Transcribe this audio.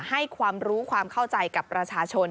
ให้ความรู้ความเข้าใจกับประชาชน